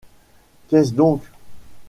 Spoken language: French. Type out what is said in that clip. Qu’est-ce donc ?